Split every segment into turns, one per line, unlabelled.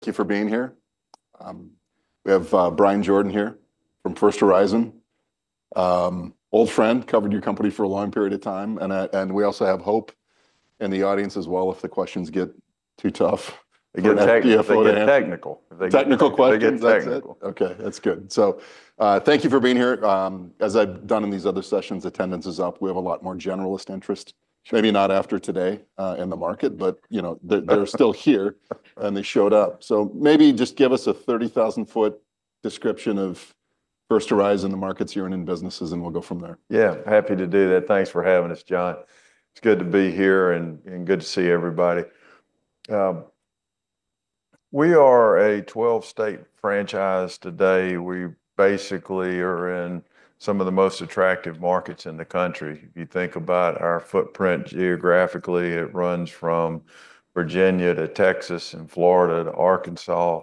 Thank you for being here. We have Bryan Jordan here from First Horizon. Old friend, covered your company for a long period of time. And we also have Hope in the audience as well. If the questions get too tough, again,
Thank you for.
If they get technical questions, they get technical. Okay, that's good. So, thank you for being here. As I've done in these other sessions, attendance is up. We have a lot more generalist interest, maybe not after today, in the market, but, you know, they're still here and they showed up. So maybe just give us a 30,000-foot description of First Horizon in the markets you're in and businesses, and we'll go from there.
Yeah, happy to do that. Thanks for having us, Jon. It's good to be here and good to see everybody. We are a 12-state franchise today. We basically are in some of the most attractive markets in the country. If you think about our footprint geographically, it runs from Virginia to Texas and Florida to Arkansas.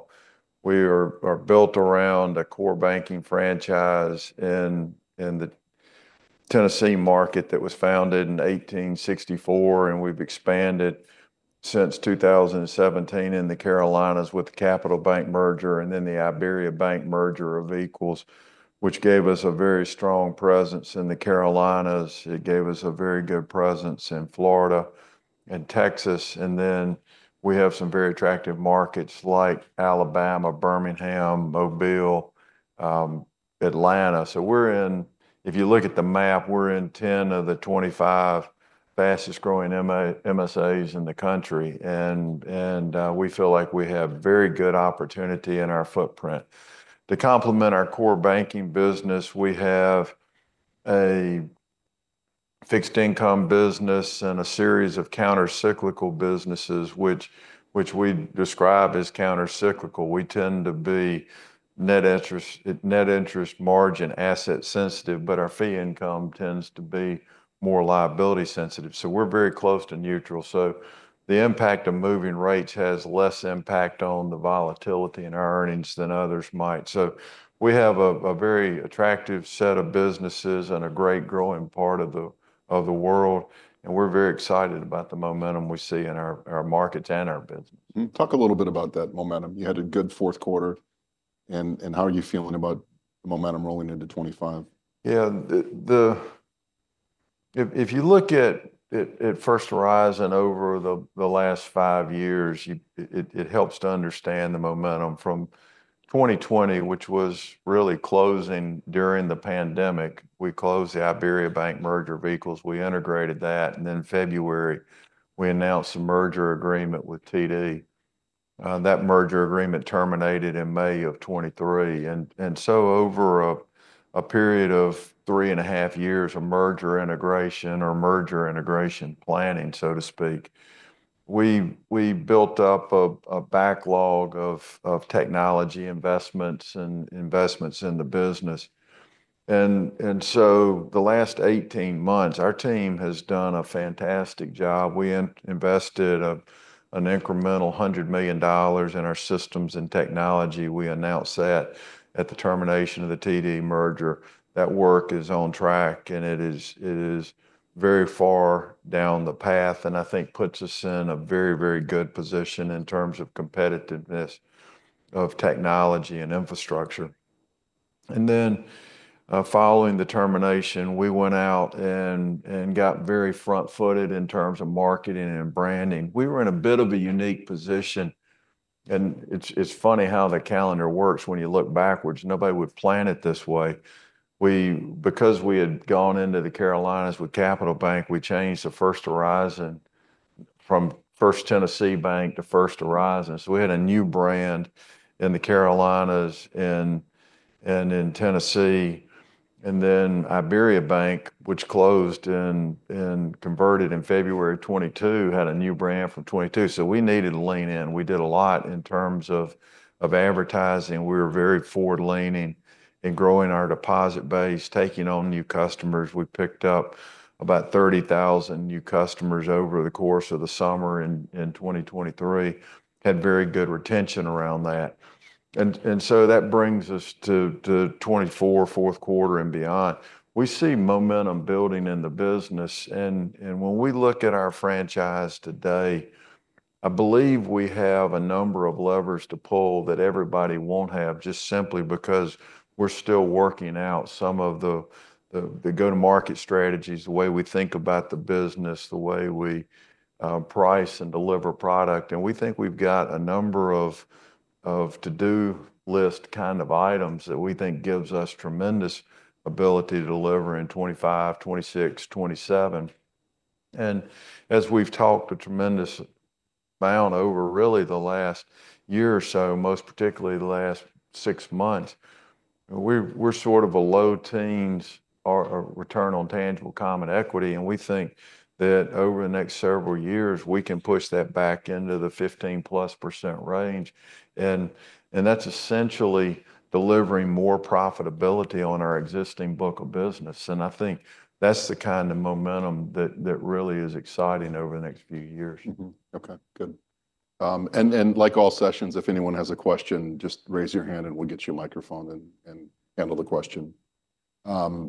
We are built around a core banking franchise in the Tennessee market that was founded in 1864, and we've expanded since 2017 in the Carolinas with the Capital Bank merger and then the Iberiabank merger of equals, which gave us a very strong presence in the Carolinas. It gave us a very good presence in Florida and Texas, and then we have some very attractive markets like Alabama, Birmingham, Mobile, Atlanta, so if you look at the map, we're in 10 of the 25 fastest growing MSAs in the country. We feel like we have very good opportunity in our footprint. To complement our core banking business, we have a fixed income business and a series of countercyclical businesses, which we describe as countercyclical. We tend to be net interest margin asset sensitive, but our fee income tends to be more liability sensitive. So we're very close to neutral. So the impact of moving rates has less impact on the volatility in our earnings than others might. So we have a very attractive set of businesses and a great growing part of the world. We're very excited about the momentum we see in our markets and our business.
Talk a little bit about that momentum. You had a good fourth quarter, and how are you feeling about the momentum rolling into 2025?
Yeah, if you look at First Horizon over the last five years, it helps to understand the momentum from 2020, which was really closing during the pandemic. We closed the Iberiabank merger of equals. We integrated that. And then in February, we announced a merger agreement with TD. That merger agreement terminated in May of 2023. And so over a period of three and a half years, a merger integration or merger integration planning, so to speak, we built up a backlog of technology investments and investments in the business. And so the last 18 months, our team has done a fantastic job. We invested an incremental $100 million in our systems and technology. We announced that at the termination of the TD merger. That work is on track and it is very far down the path and I think puts us in a very, very good position in terms of competitiveness of technology and infrastructure. And then, following the termination, we went out and got very front footed in terms of marketing and branding. We were in a bit of a unique position. And it's funny how the calendar works. When you look backwards, nobody would plan it this way. We because we had gone into the Carolinas with Capital Bank, we changed the First Horizon from First Tennessee Bank to First Horizon. So we had a new brand in the Carolinas and in Tennessee. And then Iberiabank, which closed and converted in February 2022, had a new brand from 2022. So we needed to lean in. We did a lot in terms of advertising. We were very forward leaning in growing our deposit base, taking on new customers. We picked up about 30,000 new customers over the course of the summer in 2023. Had very good retention around that. And so that brings us to 2024, fourth quarter and beyond. We see momentum building in the business. And when we look at our franchise today, I believe we have a number of levers to pull that everybody won't have just simply because we're still working out some of the go-to-market strategies, the way we think about the business, the way we price and deliver product. And we think we've got a number of to-do list kind of items that we think gives us tremendous ability to deliver in 2025, 2026, 2027. As we've talked a tremendous amount over really the last year or so, most particularly the last six months, we're sort of a low teens return on tangible common equity. We think that over the next several years, we can push that back into the 15% plus range. And that's essentially delivering more profitability on our existing book of business. I think that's the kind of momentum that really is exciting over the next few years.
Okay, good, and like all sessions, if anyone has a question, just raise your hand and we'll get you a microphone and handle the question. How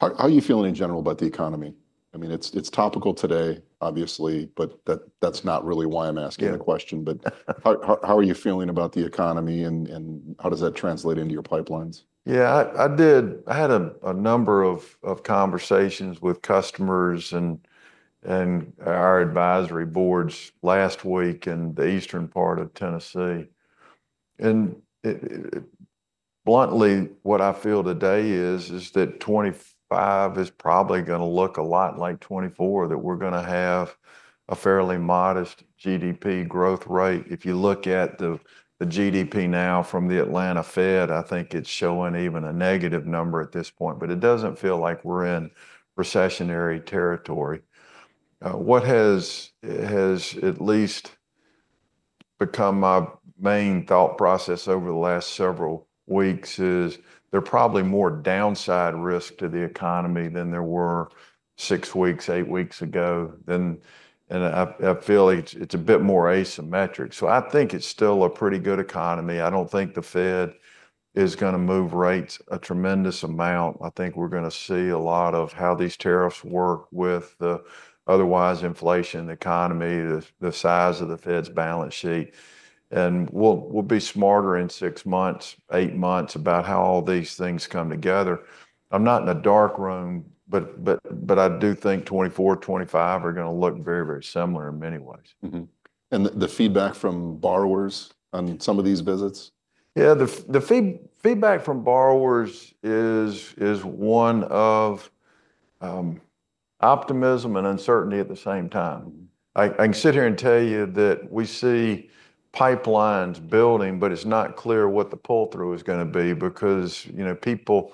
are you feeling in general about the economy? I mean, it's topical today, obviously, but that's not really why I'm asking the question, but how are you feeling about the economy and how does that translate into your pipelines?
Yeah, I did. I had a number of conversations with customers and our advisory boards last week in the eastern part of Tennessee. Bluntly, what I feel today is that 2025 is probably going to look a lot like 2024, that we're going to have a fairly modest GDP growth rate. If you look at the GDPNow from the Atlanta Fed, I think it's showing even a negative number at this point, but it doesn't feel like we're in recessionary territory. What has at least become my main thought process over the last several weeks is there's probably more downside risk to the economy than there were six weeks, eight weeks ago. I feel it's a bit more asymmetric. I think it's still a pretty good economy. I don't think the Fed is going to move rates a tremendous amount. I think we're going to see a lot of how these tariffs work with the otherwise inflation economy, the size of the Fed's balance sheet. We'll be smarter in six months, eight months about how all these things come together. I'm not in a dark room, but I do think 2024, 2025 are going to look very similar in many ways.
The feedback from borrowers on some of these visits?
Yeah, the feedback from borrowers is one of optimism and uncertainty at the same time. I can sit here and tell you that we see pipelines building, but it's not clear what the pull-through is going to be because, you know, people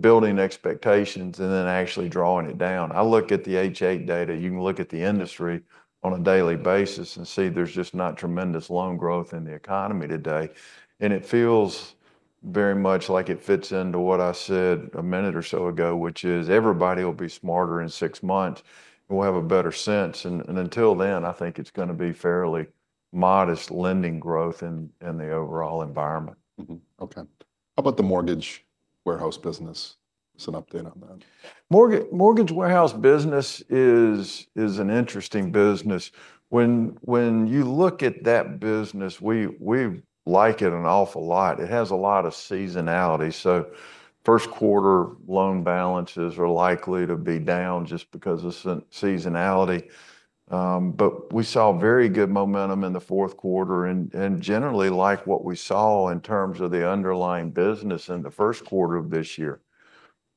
building expectations and then actually drawing it down. I look at the H.8 data, you can look at the industry on a daily basis and see there's just not tremendous loan growth in the economy today. And it feels very much like it fits into what I said a minute or so ago, which is everybody will be smarter in six months and we'll have a better sense. And until then, I think it's going to be fairly modest lending growth in the overall environment.
Okay. How about the mortgage warehouse business? What's an update on that?
Mortgage warehouse business is an interesting business. When you look at that business, we like it an awful lot. It has a lot of seasonality. So first quarter loan balances are likely to be down just because of seasonality. But we saw very good momentum in the fourth quarter and generally like what we saw in terms of the underlying business in the first quarter of this year.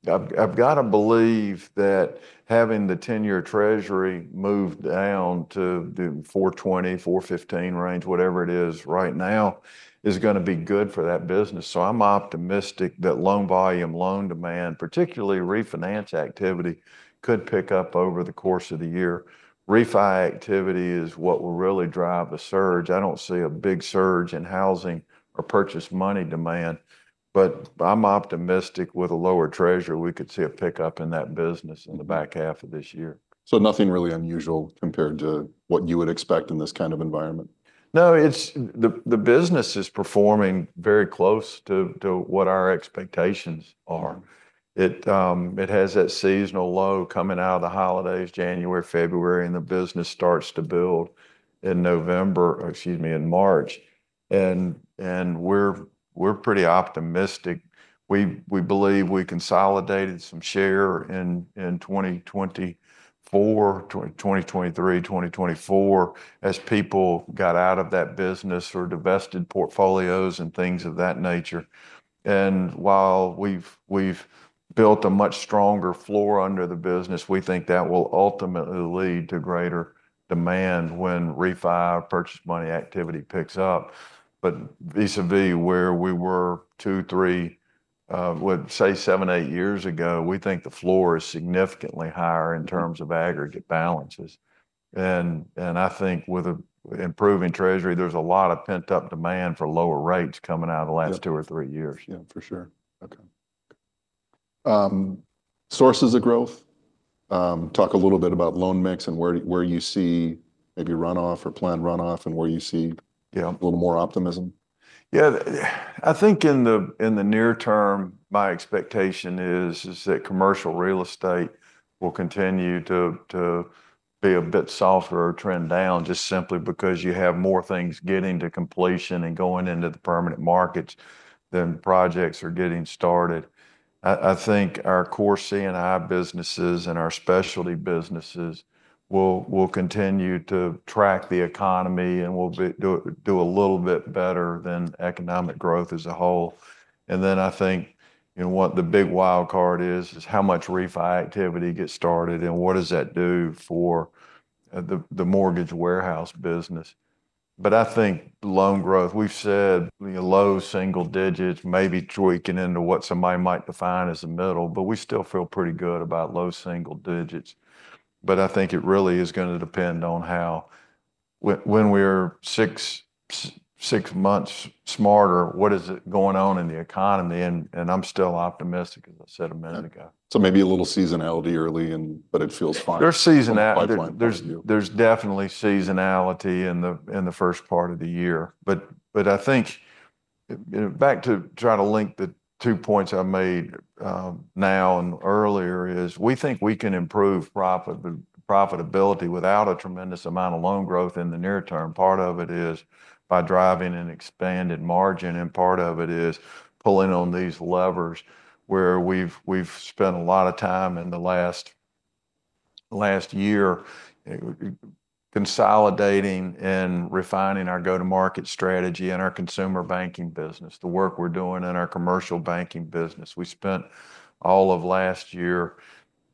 I've got to believe that having the 10-year Treasury moved down to the 4.20%-4.15% range, whatever it is right now is going to be good for that business. So I'm optimistic that loan volume, loan demand, particularly refinance activity could pick up over the course of the year. Refi activity is what will really drive the surge. I don't see a big surge in housing or purchase money demand, but I'm optimistic with a lower Treasury, we could see a pickup in that business in the back half of this year.
So nothing really unusual compared to what you would expect in this kind of environment?
No, it's the business is performing very close to what our expectations are. It has that seasonal low coming out of the holidays, January, February, and the business starts to build in November, excuse me, in March. And we're pretty optimistic. We believe we consolidated some share in 2023, 2024, as people got out of that business or divested portfolios and things of that nature. And while we've built a much stronger floor under the business, we think that will ultimately lead to greater demand when refi purchase money activity picks up. But vis-à-vis where we were two, three, would say seven, eight years ago, we think the floor is significantly higher in terms of aggregate balances. I think with an improving Treasury, there's a lot of pent-up demand for lower rates coming out of the last two or three years.
Yeah, for sure. Okay. Sources of growth, talk a little bit about loan mix and where, where you see maybe runoff or planned runoff and where you see a little more optimism.
Yeah, I think in the near term, my expectation is that commercial real estate will continue to be a bit softer or trend down just simply because you have more things getting to completion and going into the permanent markets than projects are getting started. I think our core C&I businesses and our specialty businesses will continue to track the economy and we'll do a little bit better than economic growth as a whole. And then I think, you know, what the big wild card is how much refinance activity gets started and what does that do for the mortgage warehouse business. But I think loan growth, we've said low single digits, maybe tweaking into what somebody might define as a middle, but we still feel pretty good about low single digits. But I think it really is going to depend on how, when we're six months smarter, what's going on in the economy? I'm still optimistic as I said a minute ago.
Maybe a little seasonality early and, but it feels fine.
There's seasonality. There's definitely seasonality in the first part of the year. But I think back to try to link the two points I made, now and earlier is we think we can improve profit, profitability without a tremendous amount of loan growth in the near term. Part of it is by driving an expanded margin and part of it is pulling on these levers where we've spent a lot of time in the last year consolidating and refining our go-to-market strategy and our consumer banking business, the work we're doing in our commercial banking business. We spent all of last year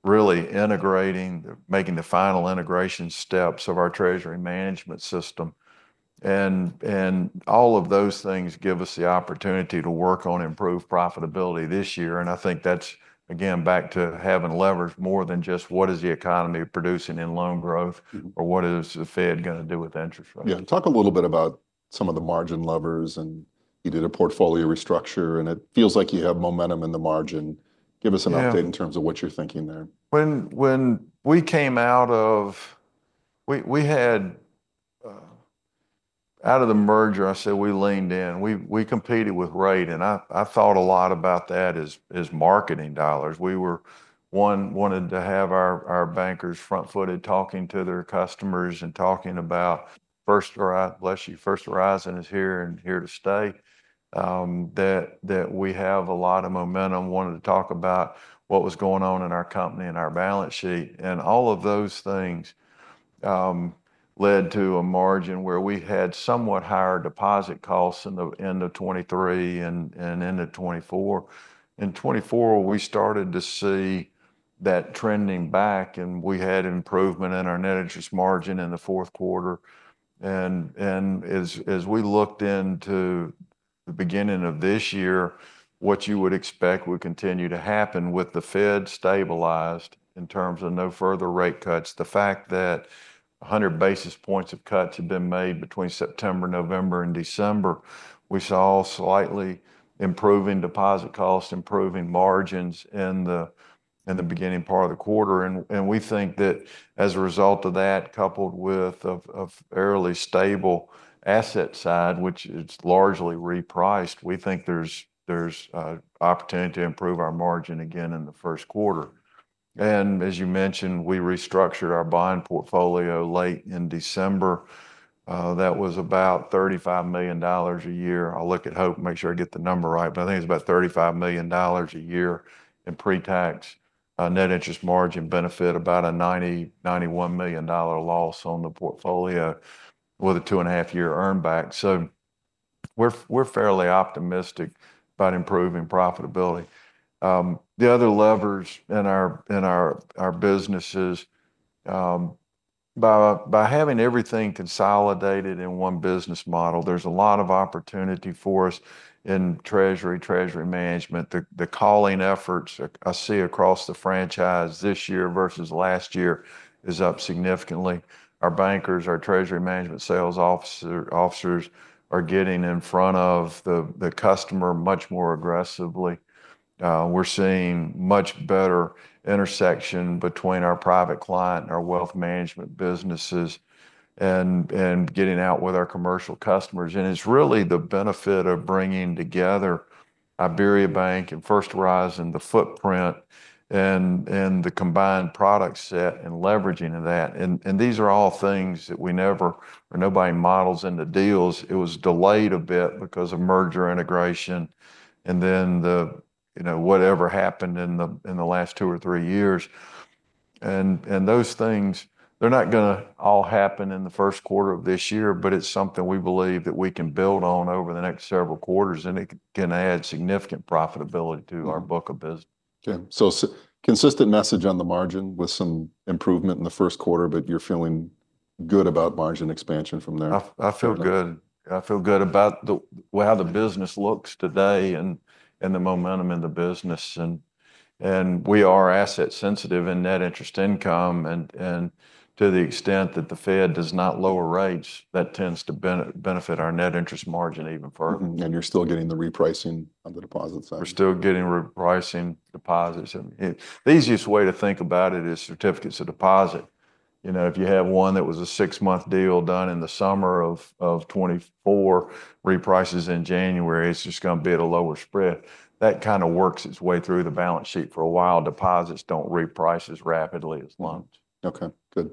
really integrating, making the final integration steps of our Treasury Management system. And all of those things give us the opportunity to work on improved profitability this year. I think that's, again, back to having leverage more than just what is the economy producing in loan growth or what is the Fed going to do with interest rates?
Yeah. Talk a little bit about some of the margin levers and you did a portfolio restructure and it feels like you have momentum in the margin. Give us an update in terms of what you're thinking there.
When we came out of the merger, I said we leaned in. We competed with rate and I thought a lot about that as marketing dollars. We wanted to have our bankers front footed talking to their customers and talking about First Horizon, bless you, First Horizon is here and here to stay. That we have a lot of momentum, wanted to talk about what was going on in our company and our balance sheet and all of those things led to a margin where we had somewhat higher deposit costs in the end of 2023 and end of 2024. In 2024, we started to see that trending back and we had improvement in our net interest margin in the fourth quarter. As we looked into the beginning of this year, what you would expect would continue to happen with the Fed stabilized in terms of no further rate cuts. The fact that 100 basis points of cuts had been made between September, November, and December, we saw slightly improving deposit costs, improving margins in the beginning part of the quarter. We think that as a result of that, coupled with a fairly stable asset side, which is largely repriced, we think there's an opportunity to improve our margin again in the first quarter. As you mentioned, we restructured our bond portfolio late in December. That was about $35 million a year. I'll look at Hope, make sure I get the number right, but I think it's about $35 million a year in pre-tax, net interest margin benefit, about a $90-$91 million loss on the portfolio with a two and a half year earnback. So we're fairly optimistic about improving profitability. The other levers in our businesses, by having everything consolidated in one business model, there's a lot of opportunity for us in Treasury management. The calling efforts I see across the franchise this year versus last year is up significantly. Our bankers, our Treasury management sales officers are getting in front of the customer much more aggressively. We're seeing much better intersection between our Private Client and our Wealth management businesses and getting out with our commercial customers. It's really the benefit of bringing together Iberiabank and First Horizon, the footprint and the combined product set and leveraging of that. These are all things that we never or nobody models into deals. It was delayed a bit because of merger integration and then, you know, whatever happened in the last two or three years. Those things, they're not going to all happen in the first quarter of this year, but it's something we believe that we can build on over the next several quarters and it can add significant profitability to our book of business.
Okay, so consistent message on the margin with some improvement in the first quarter, but you're feeling good about margin expansion from there.
I feel good. I feel good about how the business looks today and the momentum in the business. We are asset sensitive in net interest income and to the extent that the Fed does not lower rates, that tends to benefit our net interest margin even further.
You're still getting the repricing on the deposit side.
We're still getting repricing deposits. The easiest way to think about it is certificates of deposit. You know, if you have one that was a six-month deal done in the summer of 2024, reprices in January, it's just going to be at a lower spread. That kind of works its way through the balance sheet for a while. Deposits don't reprice as rapidly as loans.
Okay. Good.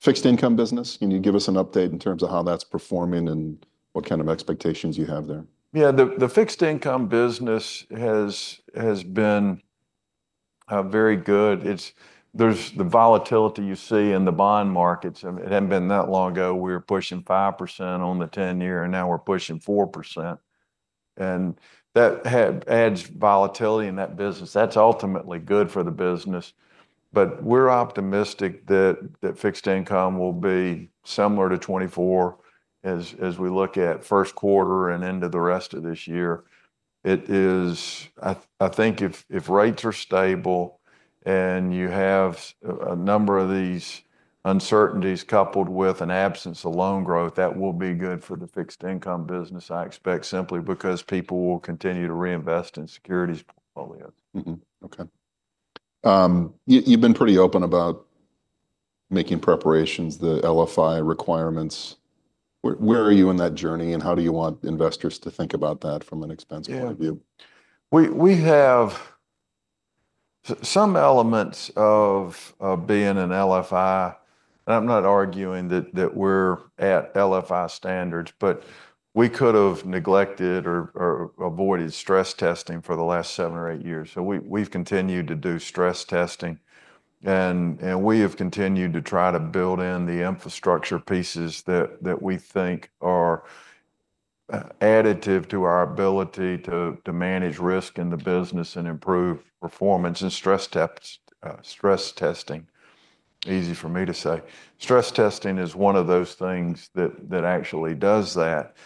Fixed income business, can you give us an update in terms of how that's performing and what kind of expectations you have there?
Yeah, the fixed income business has been very good. There's the volatility you see in the bond markets. It hadn't been that long ago. We were pushing 5% on the 10-year and now we're pushing 4%. And that adds volatility in that business. That's ultimately good for the business. But we're optimistic that fixed income will be similar to 2024 as we look at first quarter and into the rest of this year. I think if rates are stable and you have a number of these uncertainties coupled with an absence of loan growth, that will be good for the fixed income business. I expect simply because people will continue to reinvest in securities portfolios.
Okay. You've been pretty open about making preparations, the LFI requirements. Where are you in that journey and how do you want investors to think about that from an expense point of view?
We have some elements of being an LFI. And I'm not arguing that we're at LFI standards, but we could have neglected or avoided stress testing for the last seven or eight years. So we've continued to do stress testing and we have continued to try to build in the infrastructure pieces that we think are additive to our ability to manage risk in the business and improve performance and stress tests. Stress testing, easy for me to say. Stress testing is one of those things that actually does that.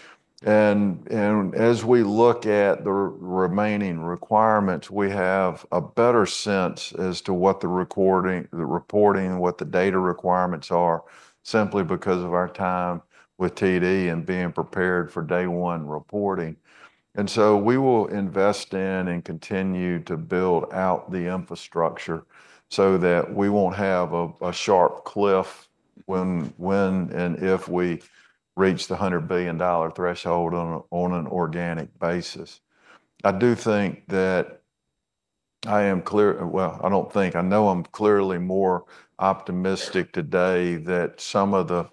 And as we look at the remaining requirements, we have a better sense as to what the reporting, the reporting, what the data requirements are simply because of our time with TD and being prepared for day one reporting. And so we will invest in and continue to build out the infrastructure so that we won't have a sharp cliff when and if we reach the $100 billion threshold on an organic basis. I do think that I am clear. Well, I don't think. I know I'm clearly more optimistic today that some of the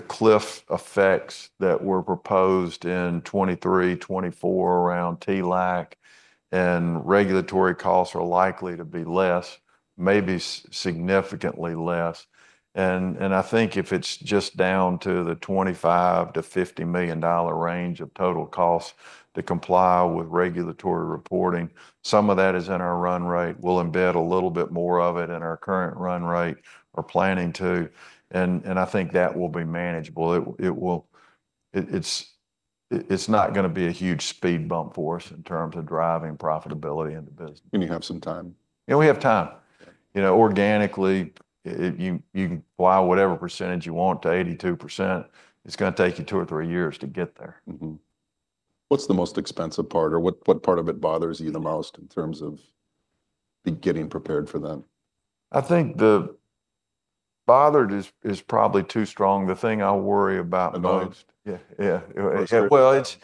cliff effects that were proposed in 2023, 2024 around TLAC and regulatory costs are likely to be less, maybe significantly less. And I think if it's just down to the $25 to $50 million range of total costs to comply with regulatory reporting, some of that is in our run rate. We'll embed a little bit more of it in our current run rate or planning to. And I think that will be manageable. It's not going to be a huge speed bump for us in terms of driving profitability in the business.
You have some time.
Yeah, we have time. You know, organically, you can fly whatever percentage you want to 82%. It's going to take you two or three years to get there.
What's the most expensive part or what, what part of it bothers you the most in terms of getting prepared for that?
I think the bother is probably too strong. The thing I worry about most.
Yeah.
Yeah. Well, it's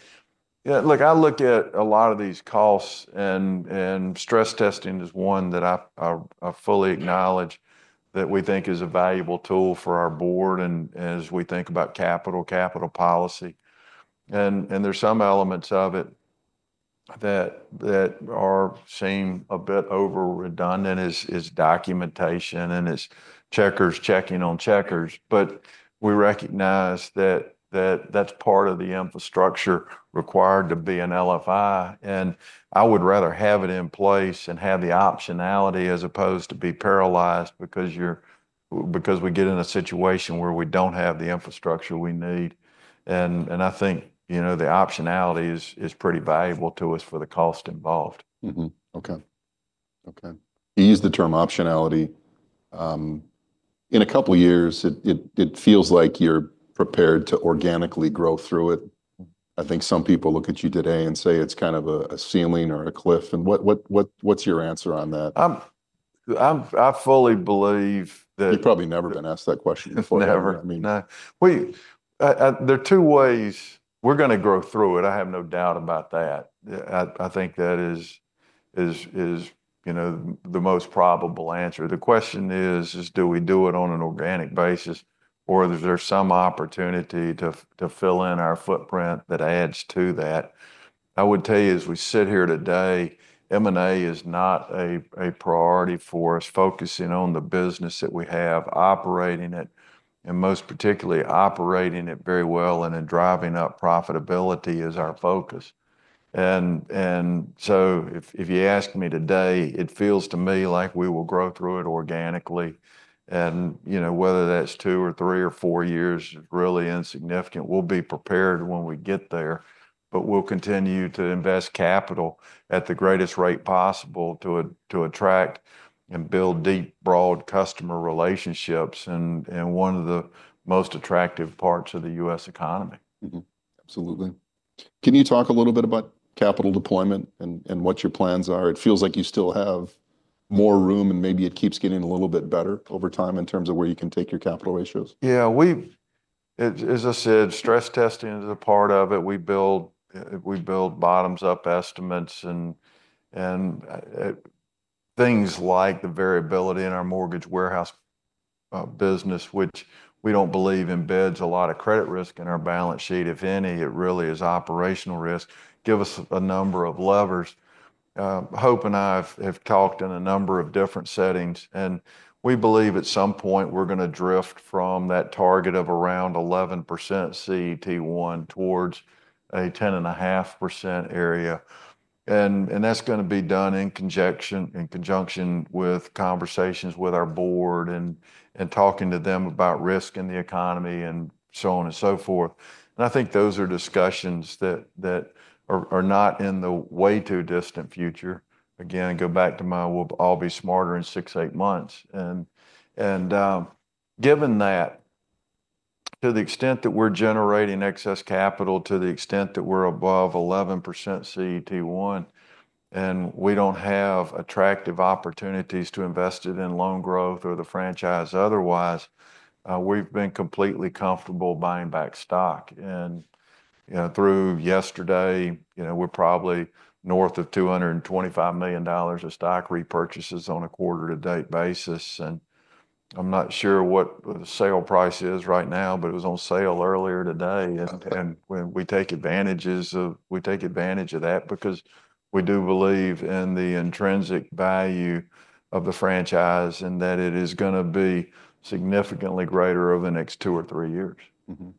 yeah, look. I look at a lot of these costs and stress testing is one that I fully acknowledge that we think is a valuable tool for our board and as we think about capital policy. And there's some elements of it that are seen a bit overly redundant is documentation and it's checkers checking on checkers. But we recognize that that's part of the infrastructure required to be an LFI. And I would rather have it in place and have the optionality as opposed to be paralyzed because we get in a situation where we don't have the infrastructure we need. And I think, you know, the optionality is pretty valuable to us for the cost involved.
Okay. You use the term optionality. In a couple of years, it feels like you're prepared to organically grow through it. I think some people look at you today and say it's kind of a ceiling or a cliff. And what's your answer on that?
I fully believe that.
You've probably never been asked that question before.
Never. There are two ways we're going to grow through it. I have no doubt about that. I think that is, you know, the most probable answer. The question is, do we do it on an organic basis or is there some opportunity to fill in our footprint that adds to that? I would tell you as we sit here today, M&A is not a priority for us, focusing on the business that we have operating it and most particularly operating it very well and then driving up profitability is our focus. So if you ask me today, it feels to me like we will grow through it organically. You know, whether that's two or three or four years is really insignificant. We'll be prepared when we get there, but we'll continue to invest capital at the greatest rate possible to attract and build deep, broad customer relationships and one of the most attractive parts of the U.S. economy.
Absolutely. Can you talk a little bit about capital deployment and what your plans are? It feels like you still have more room and maybe it keeps getting a little bit better over time in terms of where you can take your capital ratios.
Yeah, we, as I said, stress testing is a part of it. We build bottoms-up estimates and things like the variability in our mortgage warehouse business, which we don't believe embeds a lot of credit risk in our balance sheet, if any. It really is operational risk. Give us a number of levers. Hope and I have talked in a number of different settings and we believe at some point we're going to drift from that target of around 11% CET1 towards a 10.5% area. And that's going to be done in conjunction with conversations with our board and talking to them about risk in the economy and so on and so forth. I think those are discussions that are not in the way too distant future. Again, go back to my we'll all be smarter in six, eight months. Given that to the extent that we're generating excess capital to the extent that we're above 11% CET1 and we don't have attractive opportunities to invest it in loan growth or the franchise otherwise, we've been completely comfortable buying back stock. You know, through yesterday, you know, we're probably north of $225 million of stock repurchases on a quarter-to-date basis. I'm not sure what the sale price is right now, but it was on sale earlier today. When we take advantage of that because we do believe in the intrinsic value of the franchise and that it is going to be significantly greater over the next two or three years.
Okay.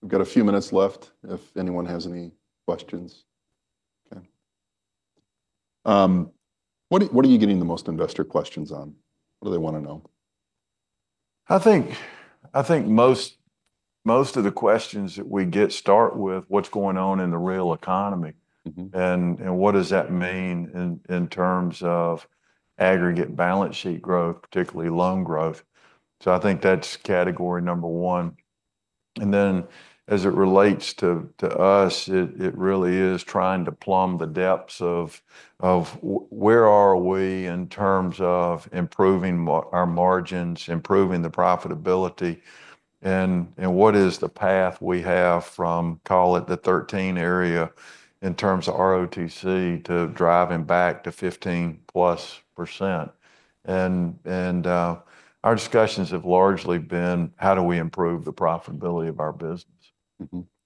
We've got a few minutes left if anyone has any questions. Okay. What are you getting the most investor questions on? What do they want to know?
I think most of the questions that we get start with, what's going on in the real economy and what does that mean in terms of aggregate balance sheet growth, particularly loan growth. So I think that's category number one. And then as it relates to us, it really is trying to plumb the depths of where are we in terms of improving our margins, improving the profitability and what is the path we have from, call it the 13% area in terms of ROTCE to driving back to 15% plus. And our discussions have largely been how do we improve the profitability of our business.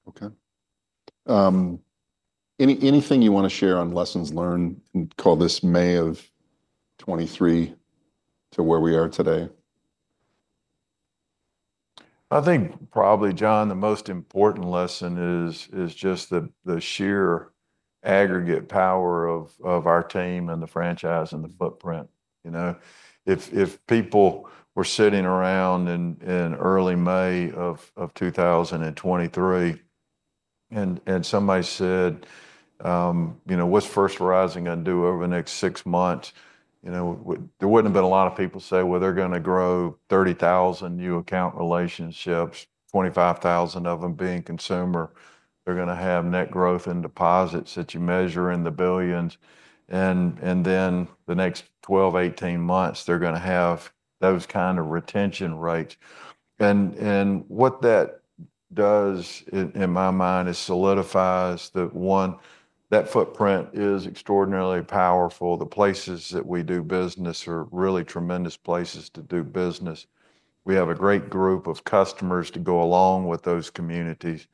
Okay. Anything you want to share on lessons learned and call it this May of 2023 to where we are today?
I think probably, Jon, the most important lesson is just the sheer aggregate power of our team and the franchise and the footprint. You know, if people were sitting around in early May of 2023 and somebody said, you know, what's First Horizon going to do over the next six months? You know, there wouldn't have been a lot of people say, well, they're going to grow 30,000 new account relationships, 25,000 of them being consumer. They're going to have net growth in deposits that you measure in the billions. And then the next 12, 18 months, they're going to have those kind of retention rates. And what that does in my mind is solidifies that one, that footprint is extraordinarily powerful. The places that we do business are really tremendous places to do business. We have a great group of customers to go along with those communities.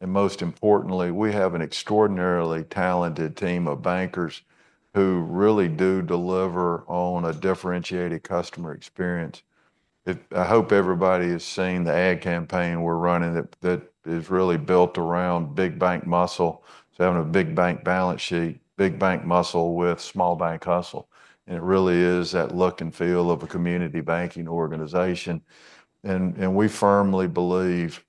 Most importantly, we have an extraordinarily talented team of bankers who really do deliver on a differentiated customer experience. I hope everybody has seen the ad campaign we're running that is really built around big bank muscle. So having a big bank balance sheet, big bank muscle with small bank hustle. It really is that look and feel of a community banking organization. We firmly believe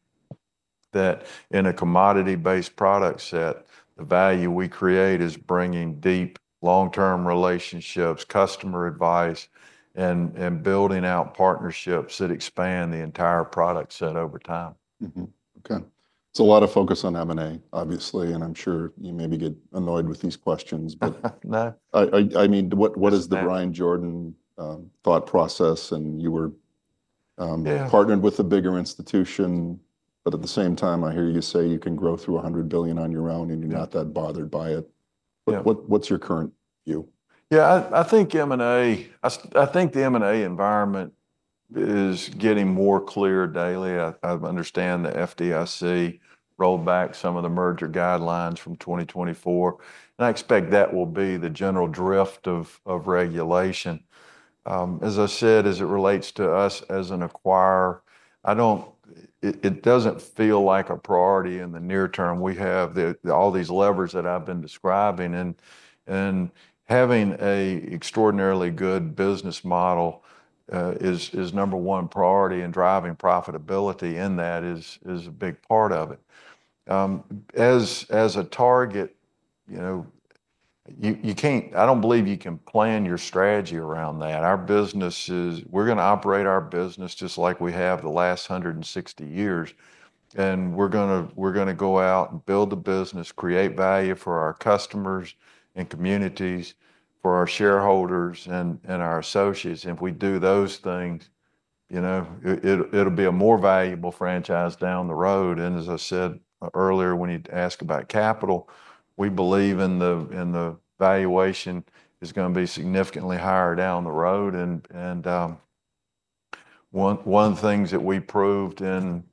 that in a commodity-based product set, the value we create is bringing deep long-term relationships, customer advice, and building out partnerships that expand the entire product set over time.
Okay. It's a lot of focus on M&A, obviously. I'm sure you maybe get annoyed with these questions, but I mean, what is the Bryan Jordan's thought process? And you were partnered with a bigger institution, but at the same time, I hear you say you can grow through a hundred billion on your own and you're not that bothered by it. But what's your current view?
Yeah, I think M&A. I think the M&A environment is getting more clear daily. I understand the FDIC rolled back some of the merger guidelines from 2024. And I expect that will be the general drift of regulation. As I said, as it relates to us as an acquirer, it doesn't feel like a priority in the near term. We have all these levers that I've been describing, and having an extraordinarily good business model is number one priority, and driving profitability in that is a big part of it. As a target, you know, you can't. I don't believe you can plan your strategy around that. Our business is. We're going to operate our business just like we have the last 160 years. We're going to go out and build the business, create value for our customers and communities, for our shareholders and our associates. If we do those things, you know, it'll be a more valuable franchise down the road. As I said earlier, when you ask about capital, we believe the valuation is going to be significantly higher down the road. One of the things that we proved in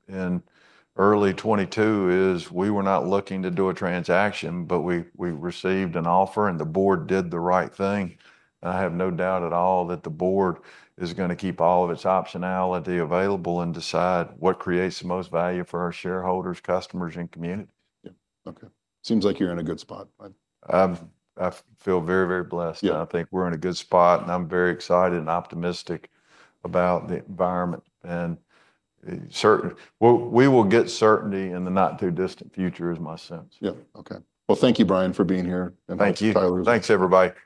early 2022 is we were not looking to do a transaction, but we received an offer and the board did the right thing. I have no doubt at all that the board is going to keep all of its optionality available and decide what creates the most value for our shareholders, customers, and community.
Yeah. Okay. Seems like you're in a good spot.
I've, I feel very, very blessed. I think we're in a good spot and I'm very excited and optimistic about the environment. Certainly, we will get certainty in the not too distant future, is my sense.
Yeah. Okay. Well, thank you, Bryan, for being here.
Thank you.
Thanks everybody.